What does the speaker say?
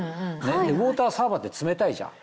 ウオーターサーバーって冷たいじゃん。